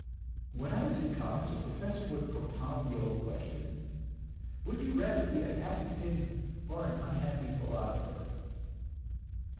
When I was in college the professor would propound the old question: "Would you rather be a happy pig or an unhappy philosopher?"